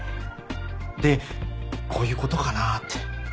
でこういうことかなって。